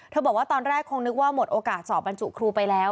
บอกว่าตอนแรกคงนึกว่าหมดโอกาสสอบบรรจุครูไปแล้ว